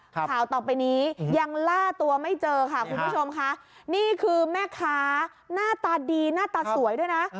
ข่าวต่อไปนี้ยังล่าตัวไม่เจอค่ะคุณผู้ชมค่ะนี่คือแม่ค้าหน้าตาดีหน้าตาสวยด้วยนะ